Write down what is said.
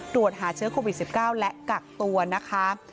ตรวจหาเชื้อโควิด๑๙และกักตัวนะคะ